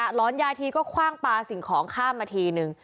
หลอนยายทีก็คว่างปลาสิ่งของข้ามมาทีนึง